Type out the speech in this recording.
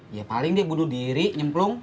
ya paling dia bunuh diri nyemplung